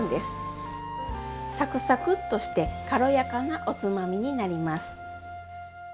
サクサクッとして軽やかなおつまみになります。